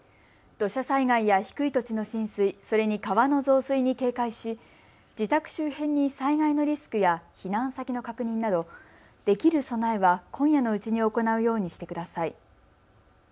土砂災害や低い土地の浸水、それに川の増水に警戒し自宅周辺に災害のリスクや避難先の確認などできる備えは今夜のうちに行うようにしてください。